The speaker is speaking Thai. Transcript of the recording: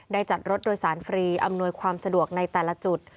จัดรถโดยสารฟรีอำนวยความสะดวกในแต่ละจุด